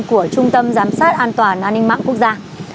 của trung tâm giám sát an toàn an ninh mạng quốc gia